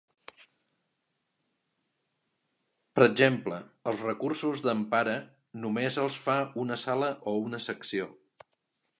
Per exemple, els recursos d’empara només els fa una sala o una secció.